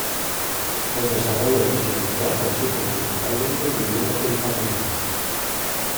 El desarrollo residencial consiste principalmente en viviendas unifamiliares.